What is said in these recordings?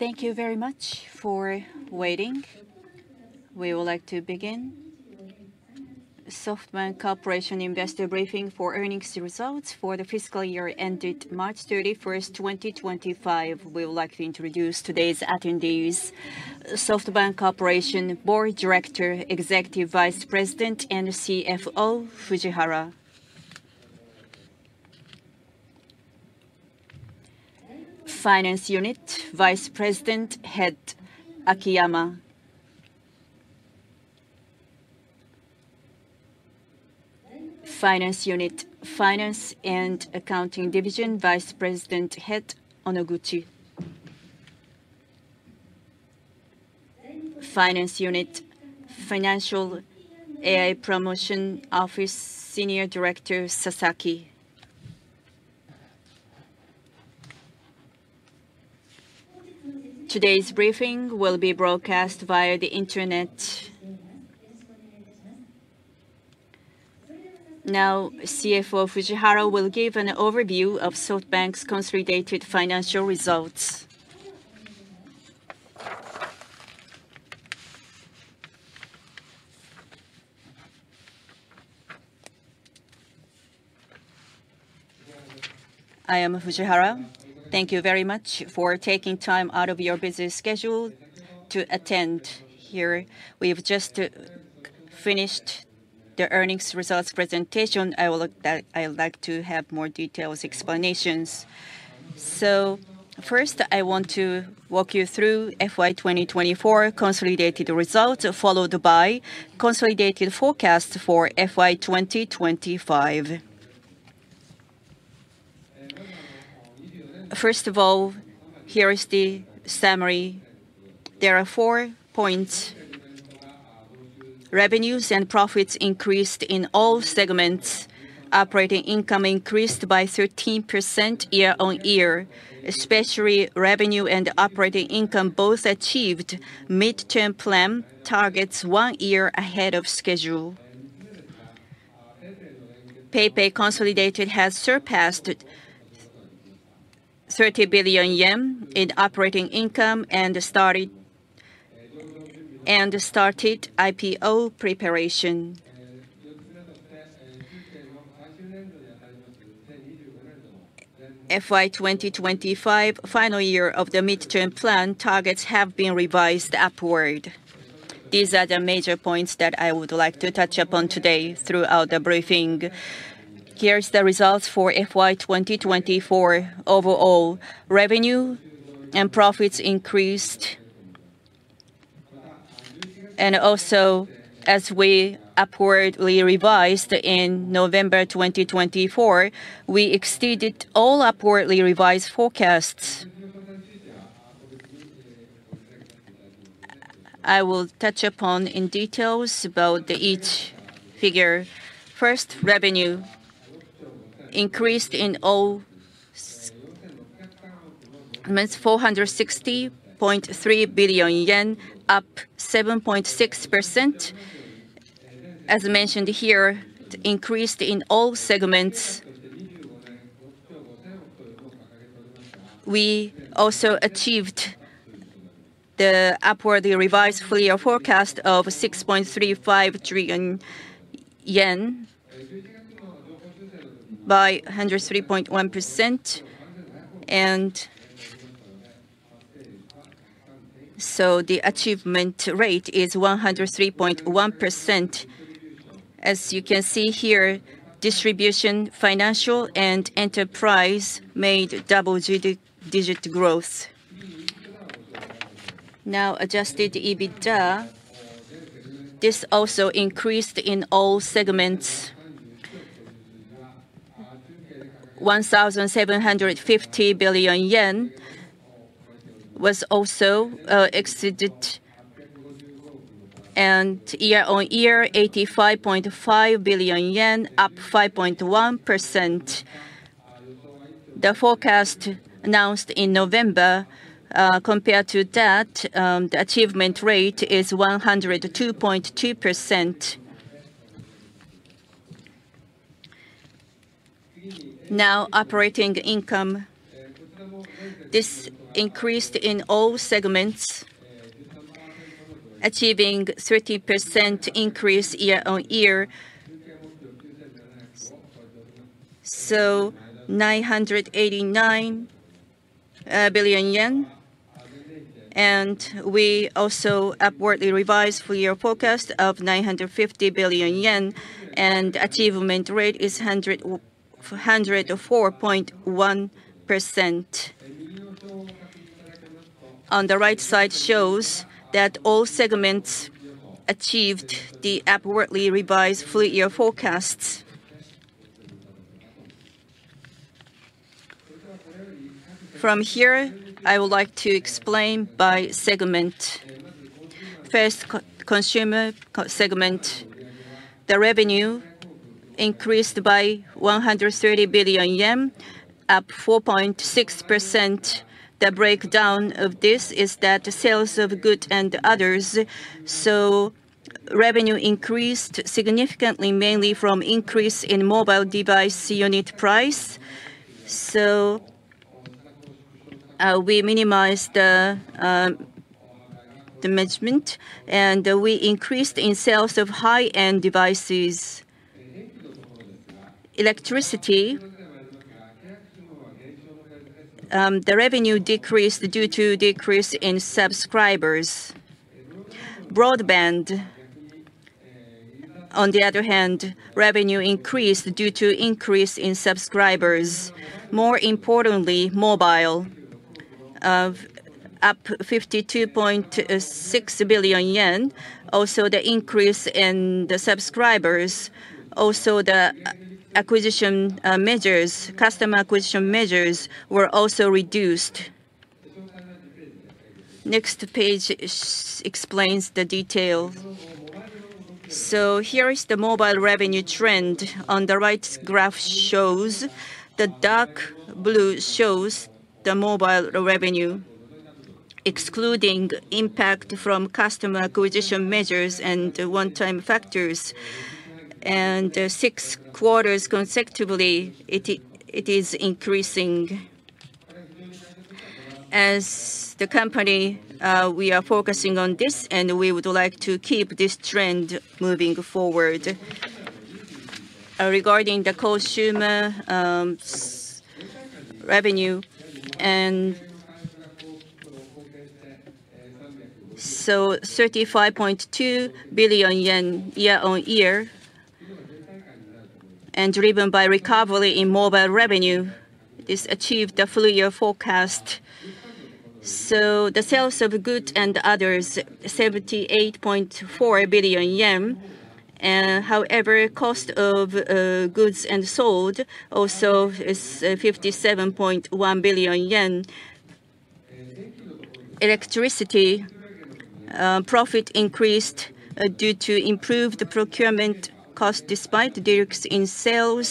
Thank you very much for waiting. We would like to begin SoftBank Corporation investor briefing for earnings results for the fiscal year ended March 31, 2025. We would like to introduce today's attendees: SoftBank Corporation Board Director, Executive Vice President, and CFO Fujihara. Finance Unit Vice President, Head Akiyama. Finance Unit Finance and Accounting Division Vice President, Head Onoguchi. Finance Unit Financial AI Promotion Office Senior Director, Sasaki. Today's briefing will be broadcast via the Internet. Now, CFO Fujihara will give an overview of SoftBank's consolidated financial results. I am Fujihara. Thank you very much for taking time out of your busy schedule to attend here. We have just finished the earnings results presentation. I would like to have more detailed explanations. First, I want to walk you through FY 2024 consolidated results, followed by consolidated forecast for FY 2025. First of all, here is the summary. There are four points: revenues and profits increased in all segments, operating income increased by 13% year on year, especially revenue and operating income both achieved midterm plan targets one year ahead of schedule. PayPay consolidated has surpassed 30 billion yen in operating income and started IPO preparation. FY 2025, final year of the midterm plan targets have been revised upward. These are the major points that I would like to touch upon today throughout the briefing. Here is the results for FY 2024: overall revenue and profits increased. Also, as we upwardly revised in November 2024, we exceeded all upwardly revised forecasts. I will touch upon in detail about each figure. First, revenue increased in all means JPY 460.3 billion, up 7.6%. As mentioned here, increased in all segments. We also achieved the upwardly revised full year forecast of 6.35 trillion yen by 103.1%. The achievement rate is 103.1%. As you can see here, distribution, financial, and enterprise made double-digit growth. Now, adjusted EBITDA, this also increased in all segments. 1,750 billion yen was also exceeded. Year on year, 85.5 billion yen, up 5.1%. The forecast announced in November, compared to that, the achievement rate is 102.2%. Now, operating income, this increased in all segments, achieving 30% increase year on year. 989 billion yen. We also upwardly revised full year forecast of 950 billion yen, and achievement rate is 104.1%. On the right side shows that all segments achieved the upwardly revised full year forecasts. From here, I would like to explain by segment. First, consumer segment. The revenue increased by 130 billion yen, up 4.6%. The breakdown of this is that sales of goods and others. So revenue increased significantly, mainly from increase in mobile device unit price. We minimized the management, and we increased in sales of high-end devices. Electricity, the revenue decreased due to decrease in subscribers. Broadband, on the other hand, revenue increased due to increase in subscribers. More importantly, mobile, up 52.6 billion yen. Also, the increase in the subscribers. Also, the acquisition measures, customer acquisition measures, were also reduced. Next page explains the detail. Here is the mobile revenue trend. On the right graph shows, the dark blue shows the mobile revenue, excluding impact from customer acquisition measures and one-time factors. Six quarters consecutively, it is increasing. As the company, we are focusing on this, and we would like to keep this trend moving forward. Regarding the consumer revenue, ¥35.2 billion year on year, and driven by recovery in mobile revenue, this achieved the full year forecast. The sales of goods and others, ¥78.4 billion. However, cost of goods sold also is ¥57.1 billion. Electricity profit increased due to improved procurement cost despite decrease in sales,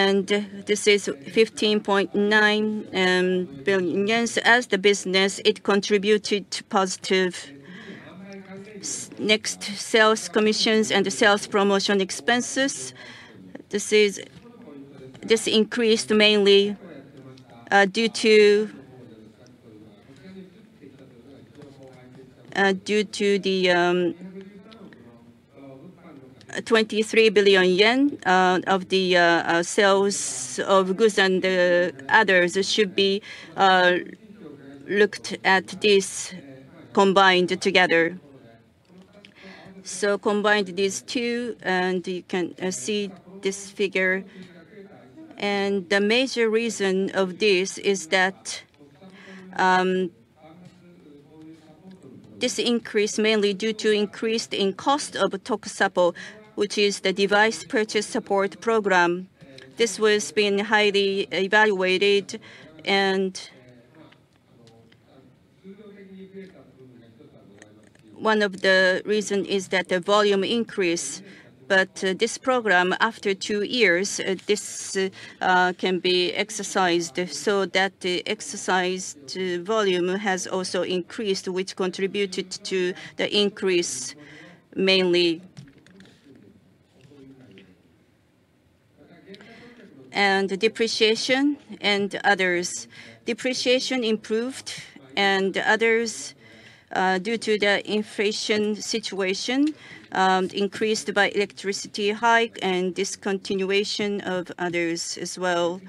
and this is ¥15.9 billion. As the business, it contributed positive. Next, sales commissions and sales promotion expenses. This increased mainly due to ¥23 billion of the sales of goods and others. This should be looked at combined together. Combined these two, and you can see this figure. The major reason of this is that this increased mainly due to increase in cost of Tokusappo, which is the device purchase support program. This was being highly evaluated, and one of the reasons is that the volume increased. This program, after two years, this can be exercised. That exercised volume has also increased, which contributed to the increase mainly. Depreciation and others. Depreciation improved and others due to the inflation situation, increased by electricity hike and discontinuation of others as well.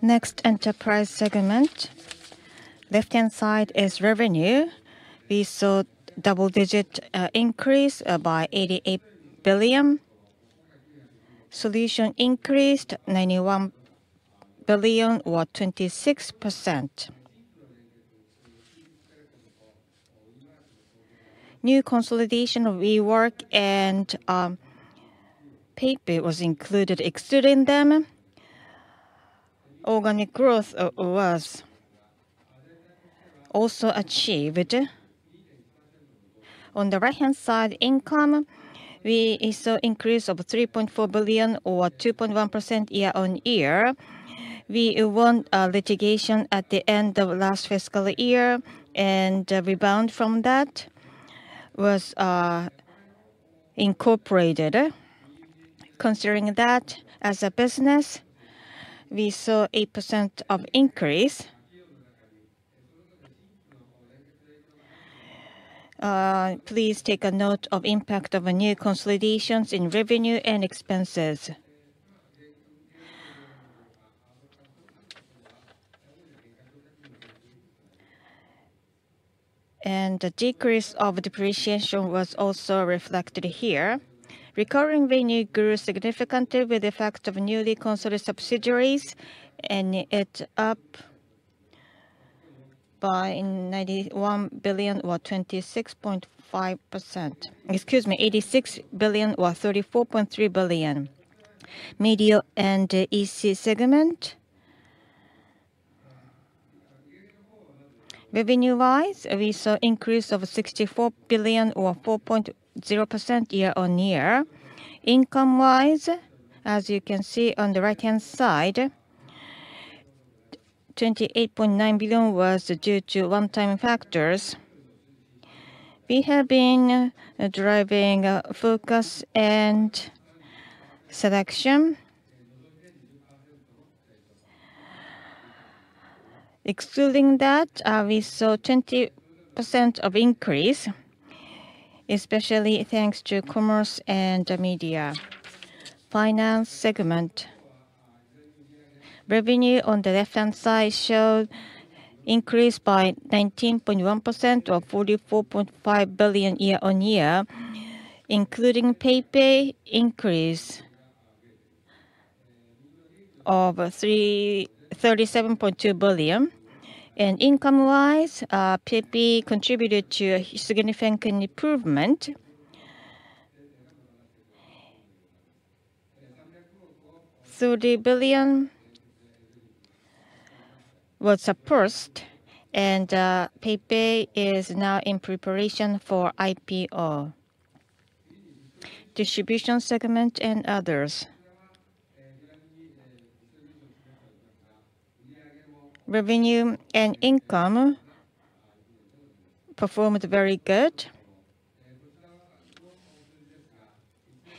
Next, enterprise segment. Left-hand side is revenue. We saw double-digit increase by 88 billion. Solution increased 91 billion, or 26%. New consolidation rework and PayPay was included excluding them. Organic growth was also achieved. On the right-hand side, income, we saw increase of 3.4 billion, or 2.1% year on year. We won litigation at the end of last fiscal year, and rebound from that was incorporated. Considering that as a business, we saw 8% of increase. Please take a note of impact of new consolidations in revenue and expenses. The decrease of depreciation was also reflected here. Recurring revenue grew significantly with the effect of newly consolidated subsidiaries, and it is up by 91 billion, or 26.5%. Excuse me, 86 billion, or 34.3 billion. Media and EC segment. Revenue-wise, we saw increase of 64 billion, or 4.0% year on year. Income-wise, as you can see on the right-hand side, 28.9 billion was due to one-time factors. We have been driving focus and selection. Excluding that, we saw 20% of increase, especially thanks to commerce and media. Finance segment. Revenue on the left-hand side showed increase by 19.1%, or 44.5 billion year on year, including PayPay increase of JPY 37.2 billion. Income-wise, PayPay contributed to a significant improvement. JPY 30 billion was surpassed, and PayPay is now in preparation for IPO. Distribution segment and others. Revenue and income performed very good.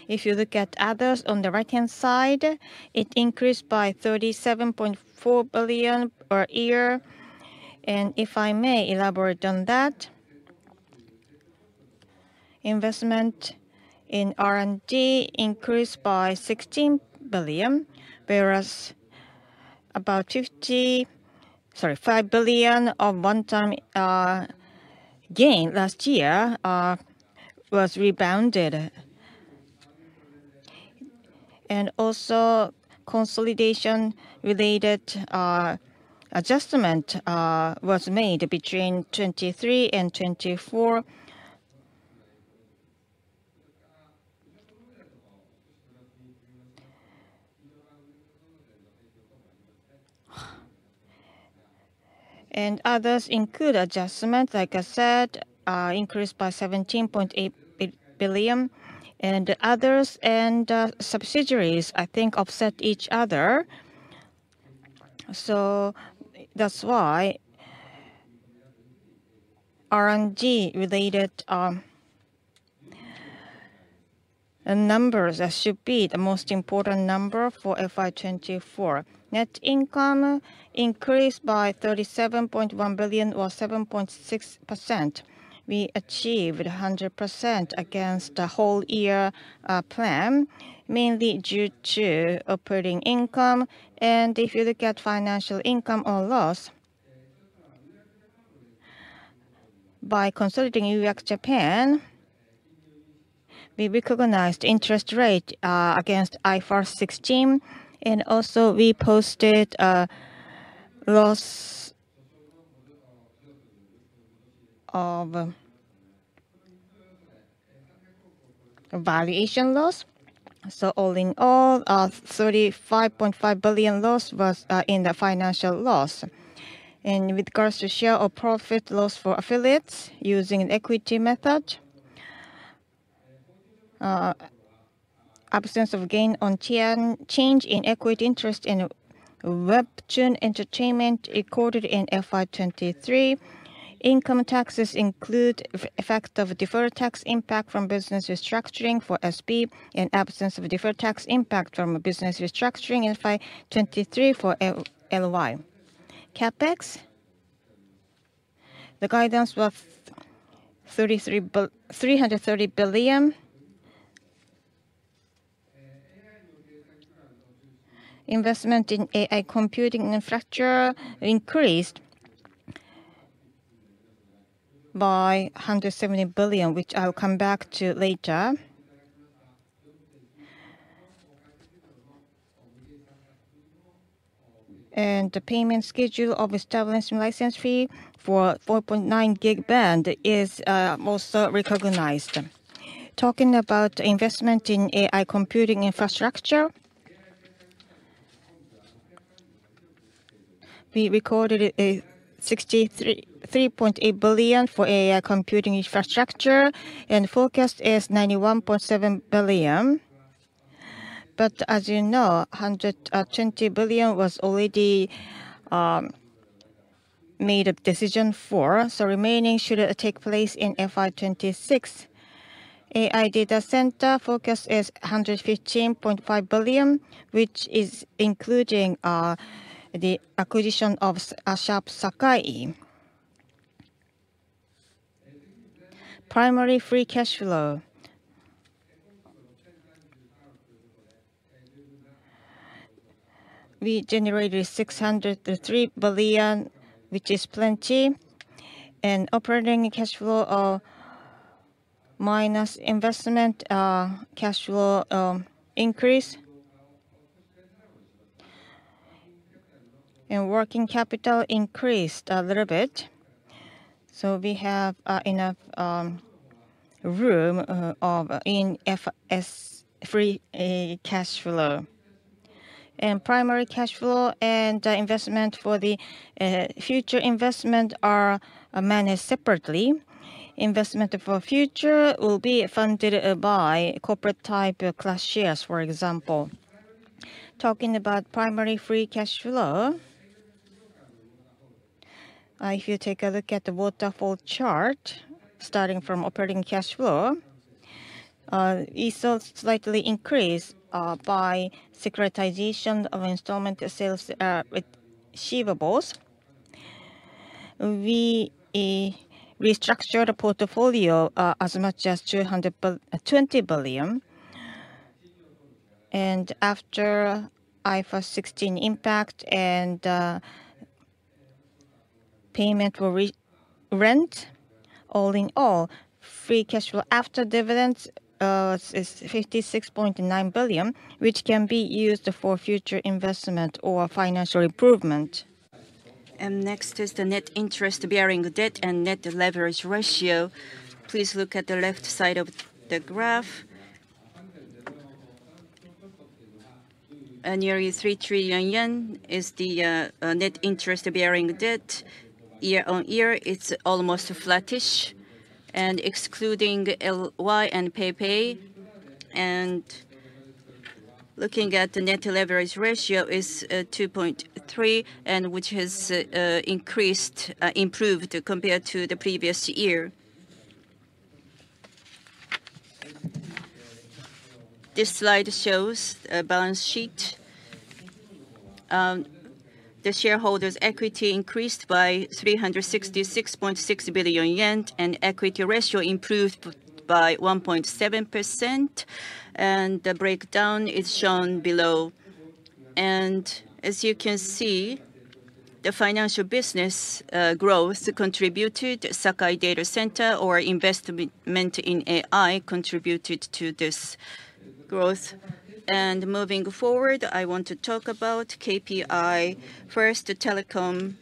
If you look at others on the right-hand side, it increased by 37.4 billion per year. If I may elaborate on that, investment in R&D increased by 16 billion, whereas about 5 billion of one-time gain last year was rebounded. Also, consolidation-related adjustment was made between JPY 23-JPY 24. Others include adjustment, like I said, increased by 17.8 billion. Others and subsidiaries, I think, offset each other. That is why R&D-related numbers should be the most important number for fiscal year 2024. Net income increased by 37.1 billion, or 7.6%. We achieved 100% against the whole year plan, mainly due to operating income. If you look at financial income or loss, by consolidating UX Japan, we recognized interest rate against IFRS 16. We also posted loss of valuation loss. All in all, 35.5 billion loss was in the financial loss. With regards to share of profit loss for affiliates using an equity method, absence of gain on change in equity interest in Webtoon Entertainment recorded in fiscal year 2023. Income taxes include effect of deferred tax impact from business restructuring for SoftBank and absence of deferred tax impact from business restructuring in fiscal year 2023 for last year. CapEx, the guidance was JPY 330 billion. Investment in AI computing infrastructure increased by 170 billion, which I'll come back to later. The payment schedule of establishing license fee for 4.9 gig band is also recognized. Talking about investment in AI computing infrastructure, we recorded 63.8 billion for AI computing infrastructure, and focus is 91.7 billion. As you know, 120 billion was already made a decision for, so remaining should take place in fiscal year 2026. AI data center focus is 115.5 billion, which is including the acquisition of Sharp Sakai. Primary free cash flow. We generated 603 billion, which is plenty. Operating cash flow minus investment cash flow increase. Working capital increased a little bit. We have enough room in FS free cash flow. Primary cash flow and investment for the future investment are managed separately. Investment for future will be funded by corporate-type class shares, for example. Talking about primary free cash flow, if you take a look at the waterfall chart starting from operating cash flow, we saw slightly increase by securitization of installment sales receivables. We restructured a portfolio as much as 220 billion. After IFRS 16 impact and payment for rent, all in all, free cash flow after dividends is 56.9 billion, which can be used for future investment or financial improvement. Next is the net interest-bearing debt and net leverage ratio. Please look at the left side of the graph. Nearly 3 trillion yen is the net interest-bearing debt. Year on year, it is almost flattish. Excluding LY and PayPay, and looking at the net leverage ratio, it is 2.3, which has increased, improved compared to the previous year. This slide shows the balance sheet. The shareholders' equity increased by 366.6 billion yen, and equity ratio improved by 1.7%. The breakdown is shown below. As you can see, the financial business growth contributed. Sakai data center, or investment in AI, contributed to this growth. Moving forward, I want to talk about KPI first, telecom.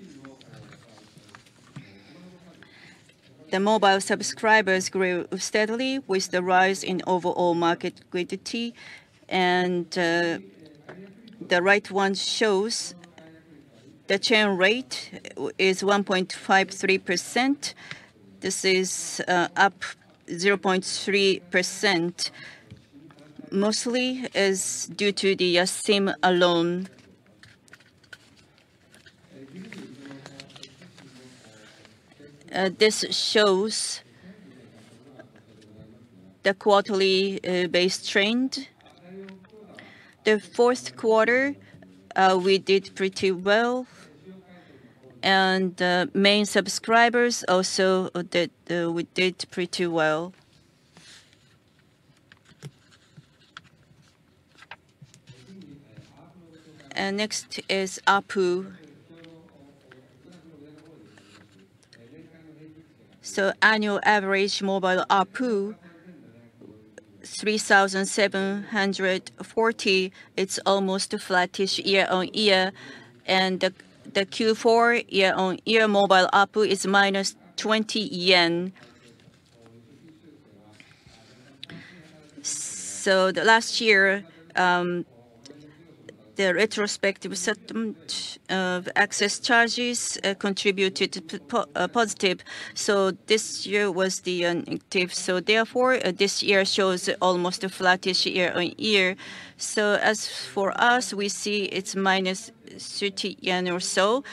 The mobile subscribers grew steadily with the rise in overall market greedity. The right one shows the churn rate is 1.53%. This is up 0.3%. Mostly is due to the Yasim alone. This shows the quarterly base trend. The fourth quarter, we did pretty well. Main subscribers also did pretty well. Next is APU. Annual average mobile APU, 3,740. It's almost flattish year on year. The Q4 year on year mobile APU is minus JPY 20. Last year, the retrospective settlement of excess charges contributed positive. This year was the negative. Therefore, this year shows almost a flattish year on year. As for us, we see it's minus 30 yen or so.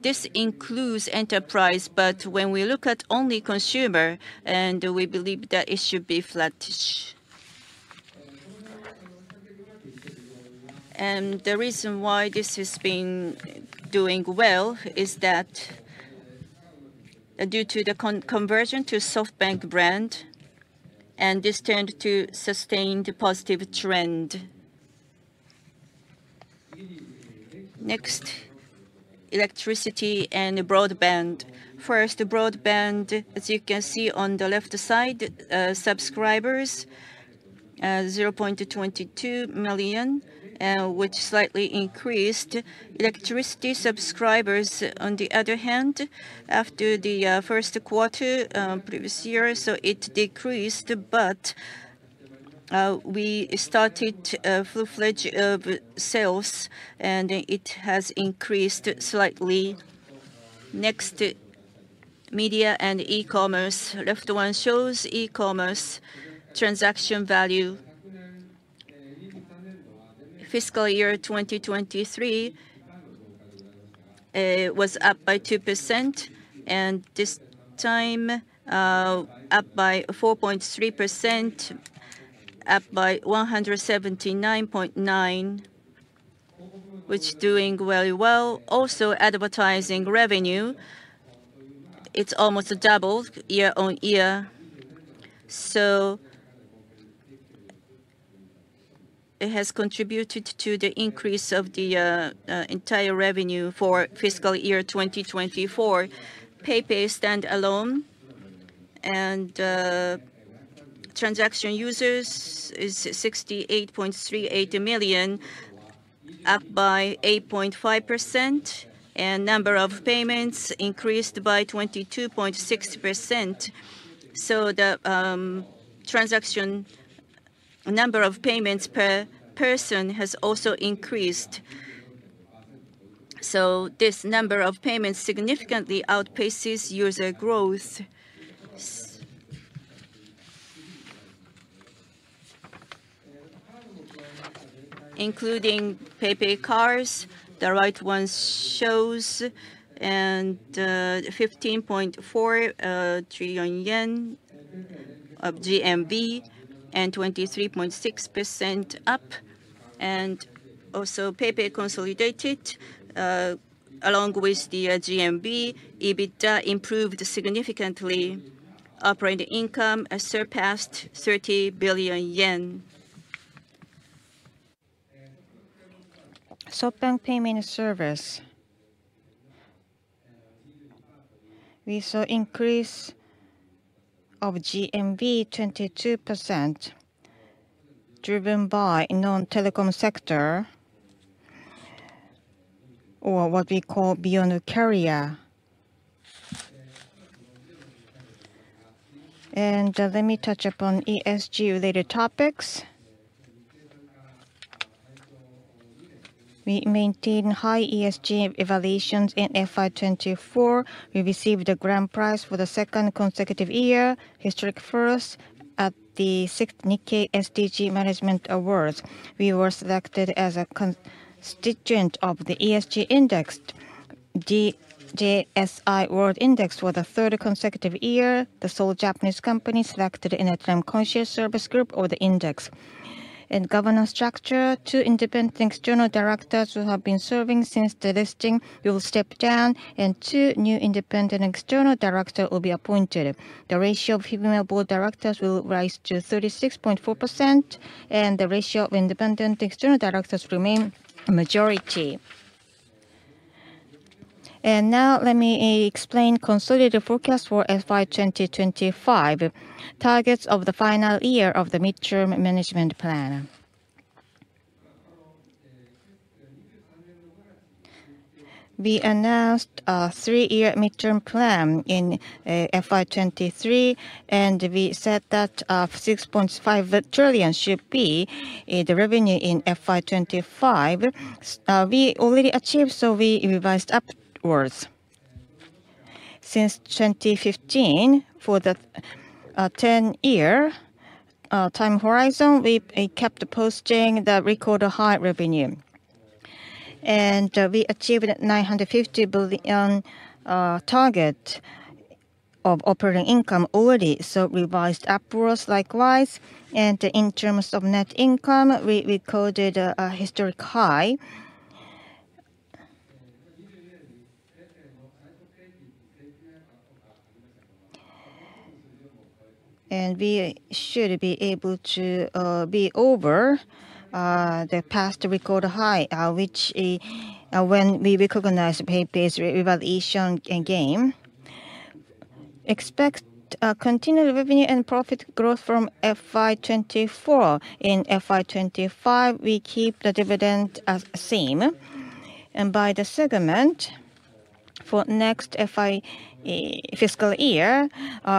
This includes enterprise. When we look at only consumer, we believe that it should be flattish. The reason why this has been doing well is that due to the conversion to SoftBank brand, and this tends to sustain the positive trend. Next, electricity and broadband. First, broadband, as you can see on the left side, subscribers 0.22 million, which slightly increased. Electricity subscribers, on the other hand, after the first quarter previous year, so it decreased, but we started a full fledged sales, and it has increased slightly. Next, media and e-commerce. Left one shows e-commerce transaction value. Fiscal year 2023 was up by 2%, and this time up by 4.3%, up by 179.9 billion, which is doing very well. Also, advertising revenue, it is almost doubled year on year. It has contributed to the increase of the entire revenue for fiscal year 2024. PayPay standalone and transaction users is 68.38 million, up by 8.5%, and number of payments increased by 22.6%. The transaction number of payments per person has also increased. This number of payments significantly outpaces user growth, including PayPay cards. The right one shows 15.4 trillion yen of GMV and 23.6% up. Also, PayPay consolidated along with the GMV, EBITDA improved significantly. Operating income surpassed JPY 30 billion. SoftBank payment service. We saw increase of GMV 22% driven by non-telecom sector, or what we call beyond carrier. Let me touch upon ESG-related topics. We maintain high ESG evaluations in fiscal year 2024. We received the grand prize for the second consecutive year, historic first, at the 6th Nikkei SDG Management Awards. We were selected as a constituent of the ESG index, DJSI World Index, for the third consecutive year. The sole Japanese company selected in the term conscious service group of the index. In governance structure, two independent external directors who have been serving since the listing will step down, and two new independent external directors will be appointed. The ratio of female board directors will rise to 36.4%, and the ratio of independent external directors remain a majority. Now, let me explain consolidated forecast for FY 2025, targets of the final year of the midterm management plan. We announced a three-year midterm plan in FY 2023, and we said that 6.5 trillion should be the revenue in FY 2025. We already achieved, so we revised upwards. Since 2015, for the 10-year time horizon, we kept posting the record high revenue. We achieved a 950 billion target of operating income already, so revised upwards likewise. In terms of net income, we recorded a historic high. We should be able to be over the past record high, which when we recognize PayPay's revaluation gain. Expect continued revenue and profit growth from fiscal year 2024. In fiscal year 2025, we keep the dividend as same. By the segment for next fiscal year,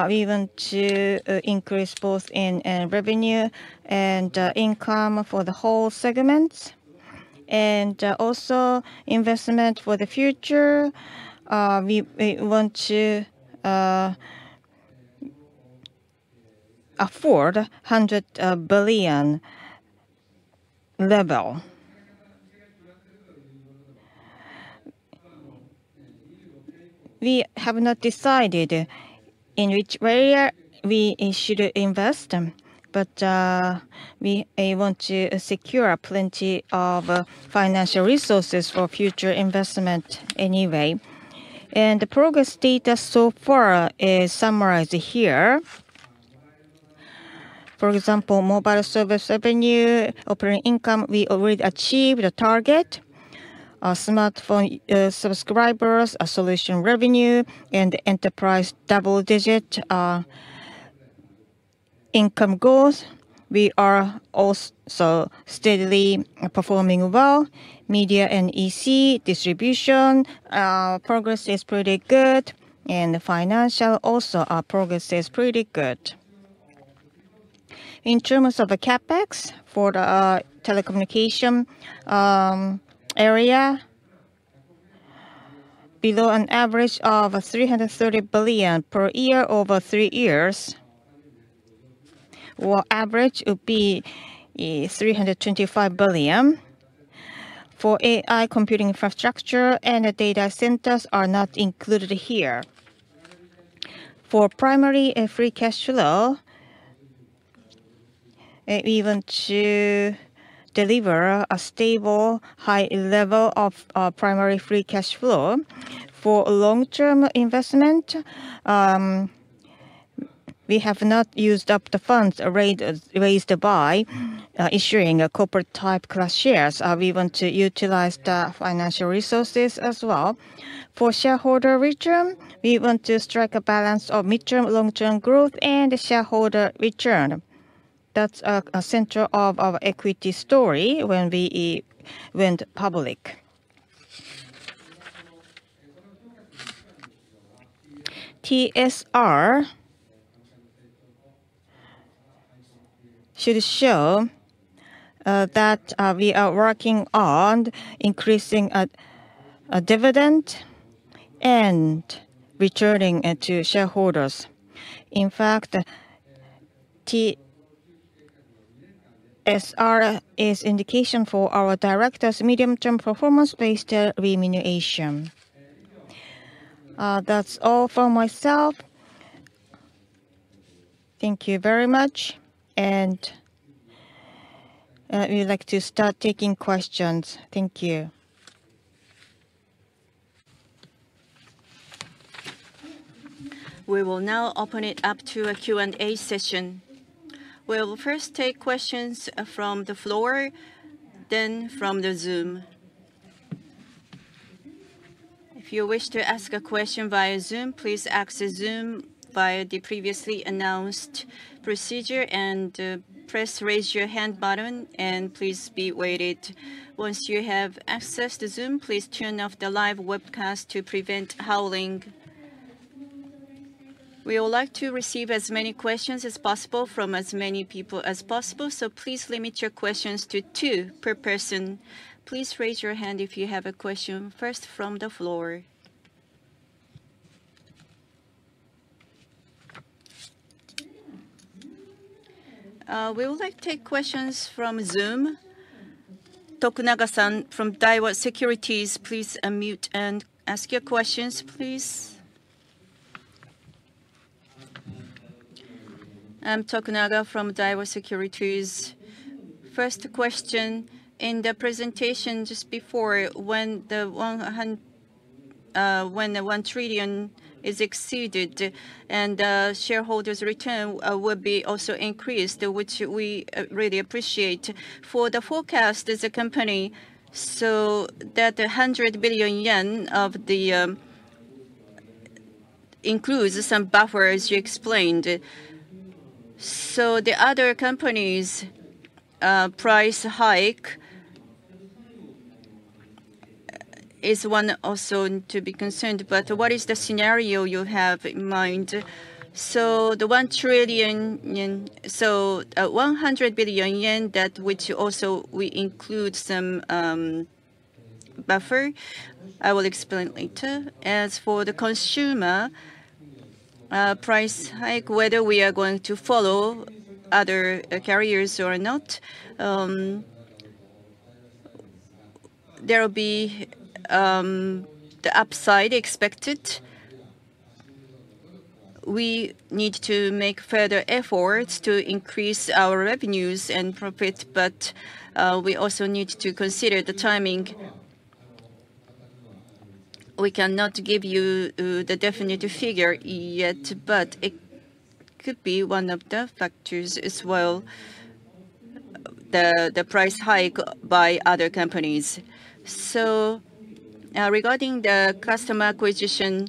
we want to increase both in revenue and income for the whole segment. Also, investment for the future, we want to afford 100 billion level. We have not decided in which area we should invest, but we want to secure plenty of financial resources for future investment anyway. The progress data so far is summarized here. For example, mobile service revenue, operating income, we already achieved a target. Smartphone subscribers, solution revenue, and enterprise double-digit income goals. We are also steadily performing well. Media and e-commerce distribution progress is pretty good, and financial also progress is pretty good. In terms of the CapEx for the telecommunication area, below an average of 330 billion per year over three years. Our average would be 325 billion. For AI computing infrastructure and data centers are not included here. For primary free cash flow, we want to deliver a stable high level of primary free cash flow. For long-term investment, we have not used up the funds raised by issuing corporate-type class shares. We want to utilize the financial resources as well. For shareholder return, we want to strike a balance of midterm long-term growth and shareholder return. That is a central of our equity story when we went public. TSR should show that we are working on increasing dividend and returning to shareholders. In fact, TSR is an indication for our director's medium-term performance-based remuneration. That is all for myself. Thank you very much. We would like to start taking questions. Thank you. We will now open it up to a Q&A session. We will first take questions from the floor, then from the Zoom. If you wish to ask a question via Zoom, please access Zoom via the previously announced procedure and press the raise your hand button, and please be waited. Once you have accessed Zoom, please turn off the live webcast to prevent howling. We would like to receive as many questions as possible from as many people as possible, so please limit your questions to two per person. Please raise your hand if you have a question first from the floor. We would like to take questions from Zoom. Tokunaga-san from Daiwa Securities, please unmute and ask your questions, please. I'm Tokunaga from Daiwa Securities. First question, in the presentation just before, when the 1 trillion is exceeded and shareholders' return will be also increased, which we really appreciate. For the forecast, the company saw that 100 billion yen of the includes some buffers, you explained. The other company's price hike is one also to be concerned, but what is the scenario you have in mind? The 100 billion yen that which also we include some buffer, I will explain later. As for the consumer price hike, whether we are going to follow other carriers or not, there will be the upside expected. We need to make further efforts to increase our revenues and profit, but we also need to consider the timing. We cannot give you the definite figure yet, but it could be one of the factors as well, the price hike by other companies. Regarding the customer acquisition,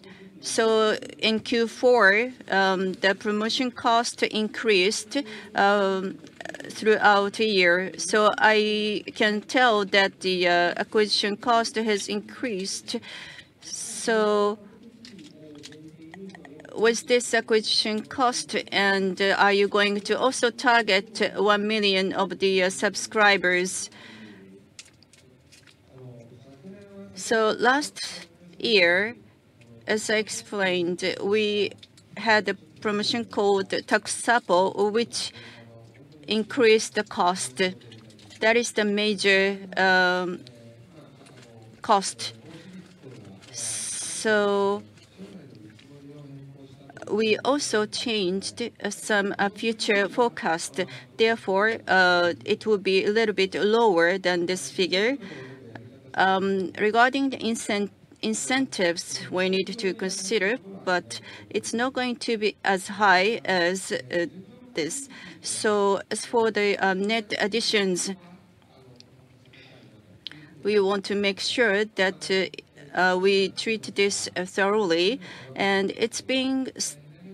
in Q4, the promotion cost increased throughout the year. I can tell that the acquisition cost has increased. Was this acquisition cost, and are you going to also target 1 million of the subscribers? Last year, as I explained, we had a promotion called Tokusappo, which increased the cost. That is the major cost. We also changed some future forecast. Therefore, it will be a little bit lower than this figure. Regarding the incentives, we need to consider, but it is not going to be as high as this. As for the net additions, we want to make sure that we treat this thoroughly, and it has been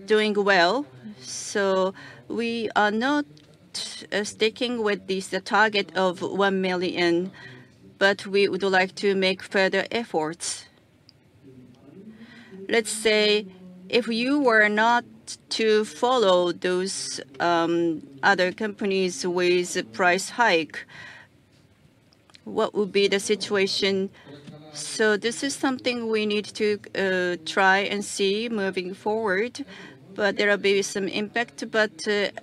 doing well. We are not sticking with this target of 1 million, but we would like to make further efforts. Let's say if you were not to follow those other companies with price hike, what would be the situation? This is something we need to try and see moving forward, but there will be some impact.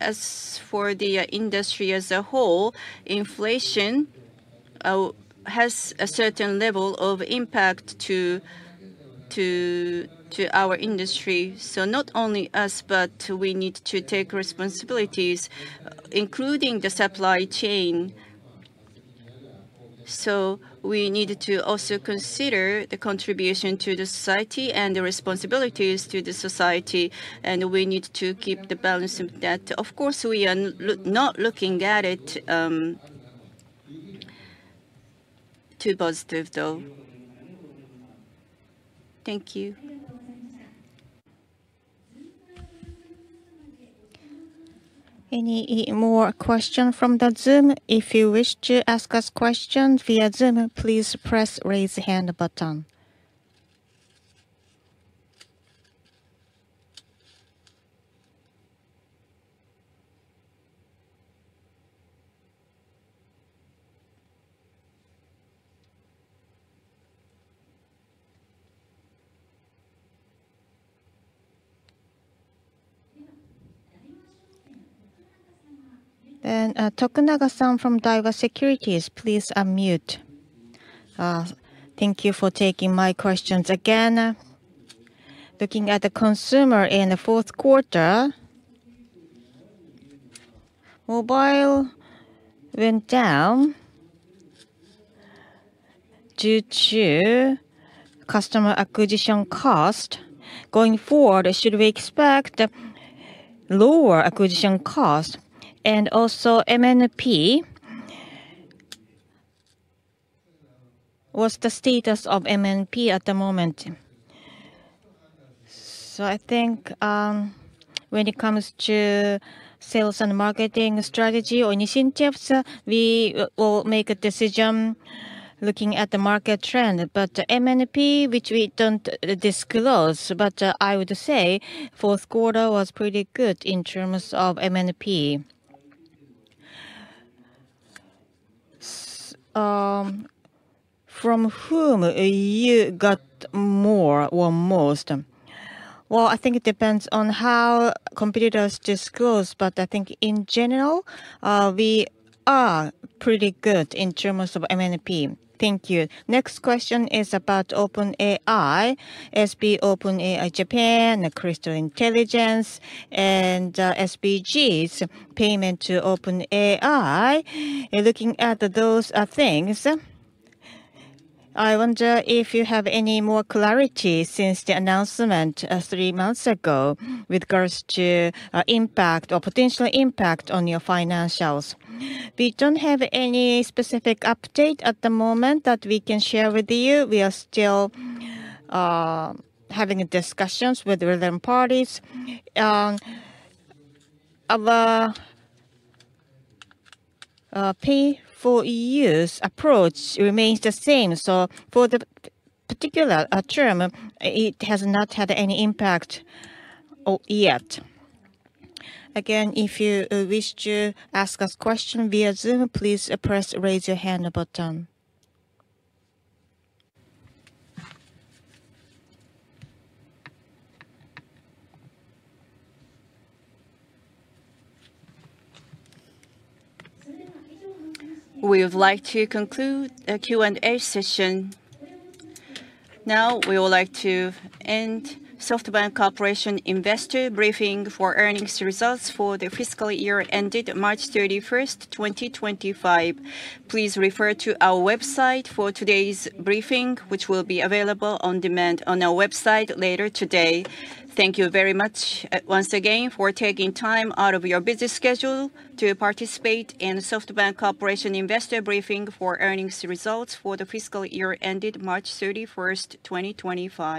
As for the industry as a whole, inflation has a certain level of impact to our industry. Not only us, but we need to take responsibilities, including the supply chain. We need to also consider the contribution to the society and the responsibilities to the society, and we need to keep the balance of that. Of course, we are not looking at it too positive, though. Thank you. Any more questions from the Zoom? If you wish to ask us questions via Zoom, please press the raise hand button. Tokunaga-san from Daiwa Securities, please unmute. Thank you for taking my questions again. Looking at the consumer in the fourth quarter, mobile went down due to customer acquisition cost. Going forward, should we expect lower acquisition cost? Also, MNP, what's the status of MNP at the moment? I think when it comes to sales and marketing strategy or initiatives, we will make a decision looking at the market trend. MNP, which we do not disclose, but I would say fourth quarter was pretty good in terms of MNP. From whom you got more or most? I think it depends on how competitors disclose, but I think in general, we are pretty good in terms of MNP. Thank you. Next question is about OpenAI, SB OpenAI Japan, Crystal Intelligence, and SBG's payment to OpenAI. Looking at those things, I wonder if you have any more clarity since the announcement three months ago with regards to impact or potential impact on your financials. We do not have any specific update at the moment that we can share with you. We are still having discussions with relevant parties. Our pay-for-use approach remains the same. For the particular term, it has not had any impact yet. If you wish to ask us questions via Zoom, please press the raise your hand button. We would like to conclude the Q&A session. Now we would like to end SoftBank Corporation Investor Briefing for earnings results for the fiscal year ended March 31, 2025. Please refer to our website for today's briefing, which will be available on demand on our website later today. Thank you very much once again for taking time out of your busy schedule to participate in SoftBank Corporation Investor Briefing for earnings results for the fiscal year ended March 31, 2025.